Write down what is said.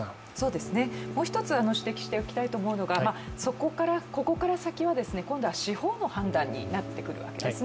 もう一つ指摘しておきたいと思うのが、ここから先は今度は司法の判断になってくるわけですね。